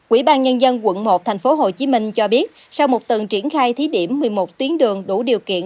ubnd quận một tp hcm cho biết sau một tuần triển khai thí điểm một mươi một tuyến đường đủ điều kiện